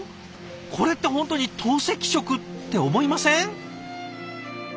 これって本当に透析食？って思いません？